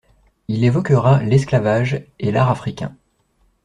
Il évoquera l'esclavage et l'Art Africain.